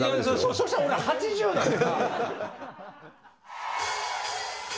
そしたら俺８０だもんな。